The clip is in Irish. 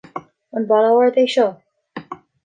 An balla ard é seo